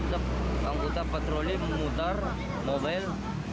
kita menganggut patroli memutar mobil